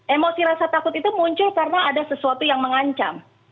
emosi rasa takut itu muncul karena ada sesuatu yang mengancam